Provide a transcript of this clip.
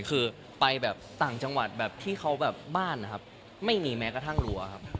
คือไปต่างจังหวัดที่เขาบ้านนะครับไม่มีแม้กระทั่งหลัวครับ